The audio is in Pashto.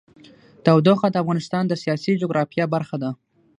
تودوخه د افغانستان د سیاسي جغرافیه برخه ده.